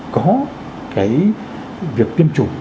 có cái việc tiêm chủng